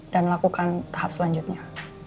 dan lakukan tahap selanjutnya